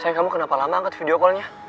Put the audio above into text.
saya kamu kenapa lama angkat video callnya